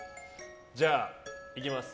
じゃあ、いきます。